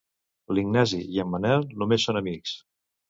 L'Ignasi i en Manel només són amics.